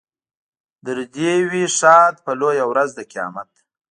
در دې وي ښاد په لویه ورځ د قیامت.